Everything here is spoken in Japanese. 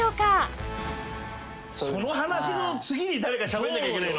その話の次に誰かしゃべんなきゃいけない。